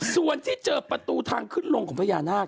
ส่วนที่เจอประตูทางขึ้นลงของพญานาค